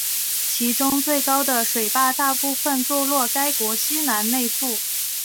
其中最高的水坝大部分坐落该国西南内腹。